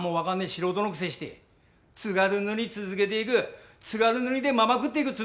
素人のくせして津軽塗続けていく津軽塗でまま食っていくっていうのか？